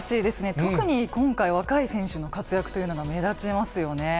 特に今回、若い選手の活躍というのが目立ちますよね。